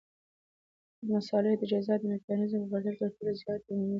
مصالحې د جزا د میکانیزمونو په پرتله تر ټولو زیات عمومي ساه لري.